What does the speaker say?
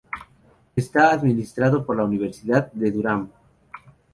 Está administrado por la Universidad de Durham.